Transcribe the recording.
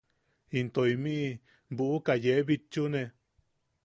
Into imi’i into bu’uka yee bitchune.